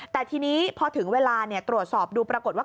แต่ทีนี้พอถึงเวลาตรวจสอบดูปรากฏว่า